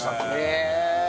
へえ。